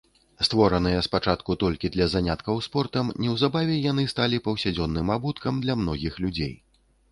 Створаныя спачатку толькі для заняткаў спортам, неўзабаве яны сталі паўсядзённым абуткам для многіх людзей.